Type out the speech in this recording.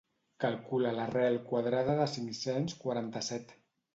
Calcula l'arrel quadrada de cinc-cents quaranta-set.